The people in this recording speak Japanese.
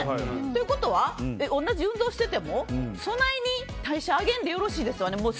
ということは同じ運動をしててもそないに代謝を上げなくてもよろしいですわね。